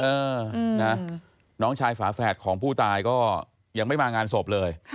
เออนะน้องชายฝาแฝดของผู้ตายก็ยังไม่มางานศพเลย